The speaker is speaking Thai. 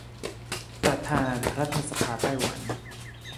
ประธานรัฐสภาไต้หวัน